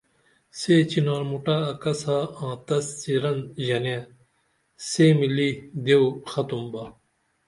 سے چنار موٹہ اکسا آں تس څیرن ژنے سے ملی دیو ختم با